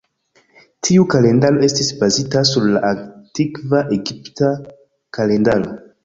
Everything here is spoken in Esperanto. Tiu kalendaro estis bazita sur la antikva Egipta kalendaro.